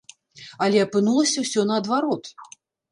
Але апынулася ўсё наадварот!